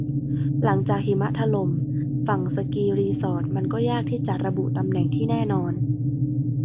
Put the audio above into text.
หลังจากหิมะถล่มฝังสกีรีสอร์ทมันก็ยากที่จะระบุตำแหน่งที่แน่นอน